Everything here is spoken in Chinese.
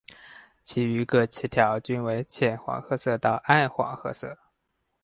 其余各鳍条均为浅黄褐色到暗黄褐色。